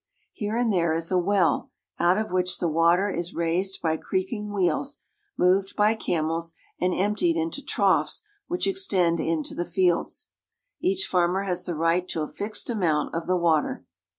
Here and there is a well, out of which the water is raised by creaking wheels, moved by camels, and emptied into troughs which extend into the fields. Each farmer has the right to a fixed amount of the water.